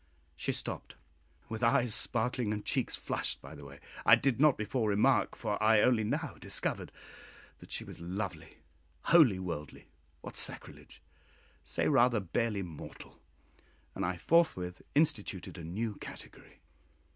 '" She stopped, with eyes sparkling and cheeks flushed; by the way, I did not before remark, for I only now discovered, that she was lovely "wholly worldly" what sacrilege! say rather "barely mortal;" and I forthwith instituted a new category.